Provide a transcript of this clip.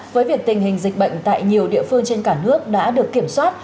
với việc tình hình dịch bệnh tại nhiều địa phương trên cả nước đã được kiểm soát